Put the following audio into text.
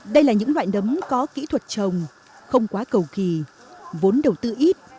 các loại nấm có kỹ thuật trồng không quá cầu kỳ vốn đầu tư ít